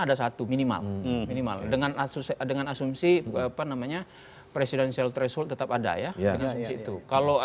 ada satu minimal minimal dengan asus dengan asumsi apa namanya presidential threshold tetap ada ya kalau